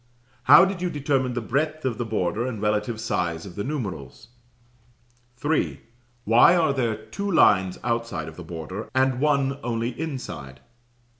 How did you determine the breadth of the border and relative size of the numerals? "3. Why are there two lines outside of the border, and one only inside?